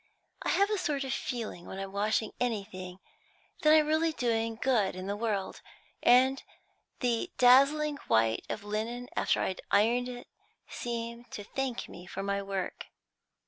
I have a sort of feeling when I'm washing anything, that I'm really doing good in the world, and the dazzling white of linen after I'd ironed it seemed to thank me for my work."